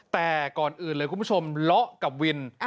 แต่ก่อนอื่นเลยคุณผู้ชมเลาะกับวิน